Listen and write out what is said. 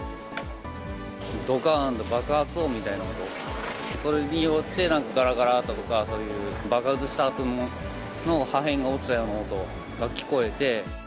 どかんと爆発音みたいな音、それによって、何かがらがらとか、爆発したあとの破片が落ちたような音が聞こえて。